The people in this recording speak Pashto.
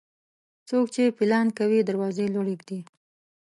څوک چې پيلان کوي، دروازې لوړي اېږدي.